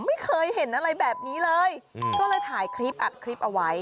ไม่เคยเห็นอะไรแบบนี้เลยก็เลยถ่ายคลิปอัดคลิปเอาไว้